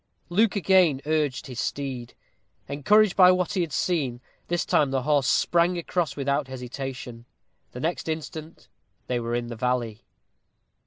Luke again urged his steed. Encouraged by what he had seen, this time the horse sprang across without hesitation. The next instant they were in the valley.